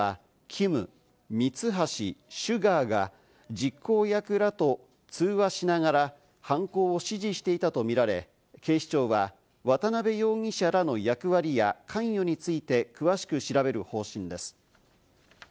この事件では、キム、ミツハシ、シュガーが実行役らと通話しながら犯行を指示していたとみられ、警視庁は渡辺容疑者らの役割や関与について詳しく調べる方針です。